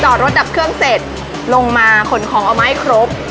รถดับเครื่องเสร็จลงมาขนของเอามาให้ครบ